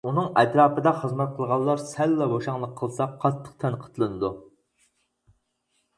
ئۇنىڭ ئەتراپىدا خىزمەت قىلغانلار سەللا بوشاڭلىق قىلسا، قاتتىق تەنقىدلىنىدۇ.